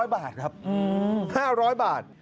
๐บาทครับ๕๐๐บาท